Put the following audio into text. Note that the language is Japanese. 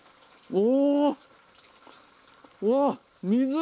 お！